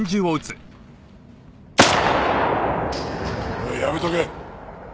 おいやめとけ！